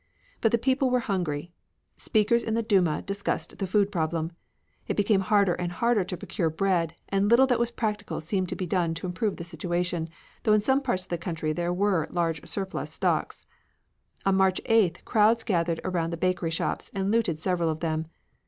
But the people were hungry. Speakers in the Duma discussed the food problem. It became harder and harder to procure bread, and little that was practical seemed to be done to improve the situation, though in some parts of the country there were large surplus stocks. On March 8th crowds gathered around the bakery shops, and looted several of them.